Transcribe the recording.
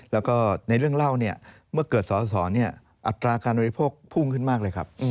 แล้วก็ในเรื่องเล่าเนี่ยเมื่อเกิดสอสออัตราการบริโภคพุ่งขึ้นมากเลยครับ